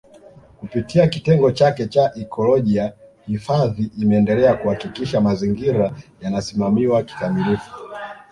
Kupitia kitengo chake cha ikolojia hifadhi imeendelea kuhakikisha mazingira yanasimamiwa kikamilifu